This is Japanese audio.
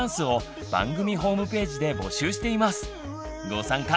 ご参加